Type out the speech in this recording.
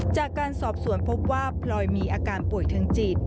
จากการสอบสวนพบว่าพลอยมีอาการป่วยทางจิต